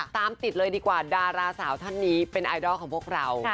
ตามติดเลยดีกว่าดาราสาวท่านนี้เป็นไอดอลของพวกเรา